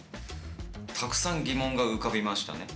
たくさん疑問が浮かびましたね。